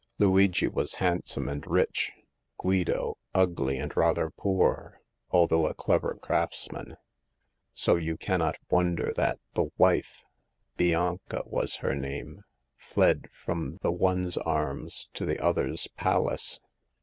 Luigi was hand some and rich ; Guido, ugly and rather poor, although a clever craftsman ; so j^ou cannot wonder that the wife — Bianca was her name — fled from the one's arms to the other's palace.